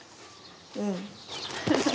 うん。